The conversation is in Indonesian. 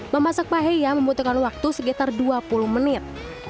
memasak paheya membutuhkan waktu sekitar dua puluh menit